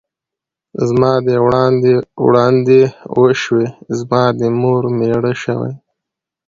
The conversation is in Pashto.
ـ زما دې وړاندې وشوې ، زما دې مور مېړه شوې.